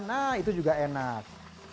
nah itu juga enak